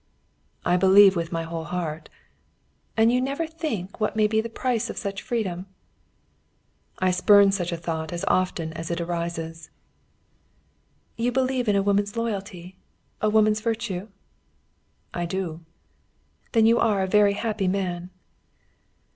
"I believe with my whole heart." "And you never think what may be the price of such freedom?" "I spurn such a thought as often as it arises." "You believe in a woman's loyalty, a woman's virtue?" "I do." "Then you are a very happy man!"